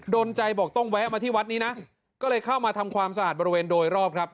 นใจบอกต้องแวะมาที่วัดนี้นะก็เลยเข้ามาทำความสะอาดบริเวณโดยรอบครับ